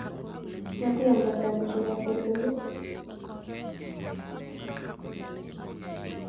matiyam kartasisiekab tekelkelit